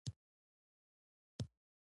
مېلمه ته د حق احترام ورکړه.